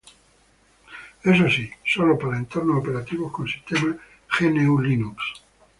Eso sí, sólo para entornos operativos con sistemas Windows.